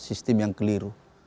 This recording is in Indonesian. sistem yang keliru